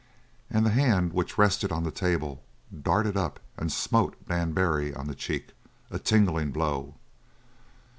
And the hand which rested on the table darted up and smote Dan Barry on the cheek, a tingling blow.